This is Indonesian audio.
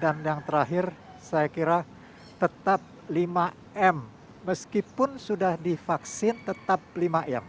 dan yang terakhir saya kira tetap lima m meskipun sudah divaksin tetap lima m